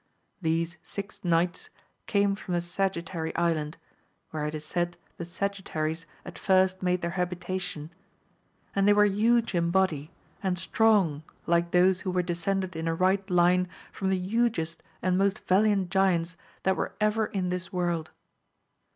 These six knights came from the Sagittary Island, where it is said the Sagittaries at fli*st made their habitation ; and they were huge in body, and strong, like those who were descended in a right line from the hugest and most valiant giants that were ever 168 AMADI8 OF GAUL. in this world.